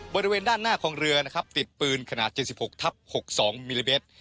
บริเวณด้านหน้าของเรือนะครับติดปืนขนาดเจ็ดสิบหกทับหกสองมิลลิเมตร